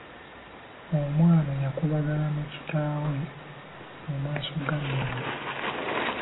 Omwana yakubagana ne kitaawe mu maaso ga nnyina.